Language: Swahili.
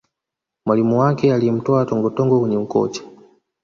mwalimu wake aliyemtoa tongotongo kwenye ukocha